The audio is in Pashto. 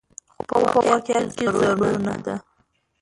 خو په واقعيت کې ضرور نه ده